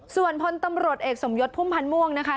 ส่วนพลตำรวจเอกสมยศพุ่มพันธ์ม่วงนะคะ